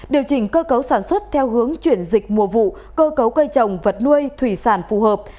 điều chỉnh cơ cấu sản xuất theo hướng chuyển dịch mùa vụ cơ cấu cây trồng vật nuôi thủy sản phù hợp